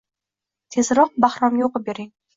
Tezroq Bahromga o`qib bering